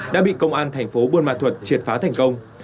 đã bị công an thành phố buôn ma thuật triệt phá thành công